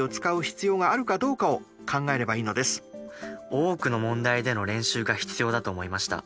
多くの問題での練習が必要だと思いました。